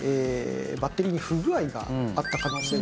バッテリーに不具合があった可能性があってですね。